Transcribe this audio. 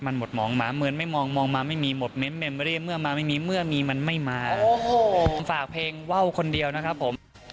ผมฝากเพลงว่าวคนเดียวนะครับผม